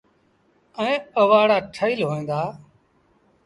ائيٚݩ اَوآڙآ ٺهيٚل هوئيݩ دآ۔